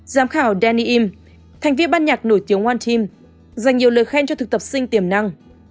giám khảo danny im thành viên ban nhạc nổi tiếng one team dành nhiều lời khen cho thực tập sinh tiềm năng